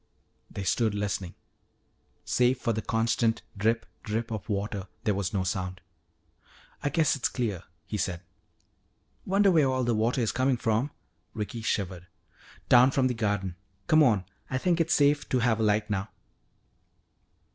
They stood listening. Save for the constant drip, drip of water, there was no sound. "I guess it's clear," he said. "Wonder where all the water is coming from?" Ricky shivered. "Down from the garden. Come on, I think it's safe to have a light now."